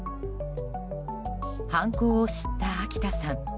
犯行を知った秋田さん。